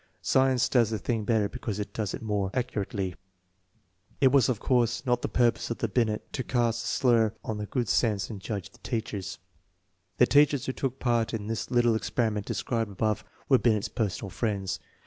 Science does the thing better, because it does it more accurately. It \\tts of course not the purpose of Binct to cast a slur upon the good sense and judgment of teachers. The teach ers who took part in the little experiment described above were Kind's personal friends.